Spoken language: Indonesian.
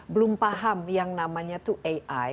belum paham yang namanya itu ai